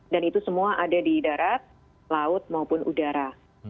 itu semua ada di darat laut maupun udara